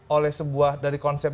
oleh sebuah dari konsep